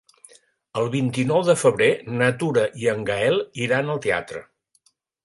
El vint-i-nou de febrer na Tura i en Gaël iran al teatre.